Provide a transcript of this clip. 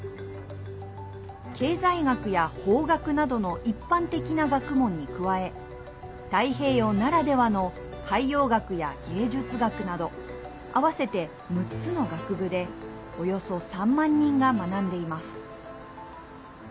経済学や法学などの一般的な学問に加え太平洋ならではの海洋学や芸術学など合わせて６つの学部でおよそ３万人が学んでいます。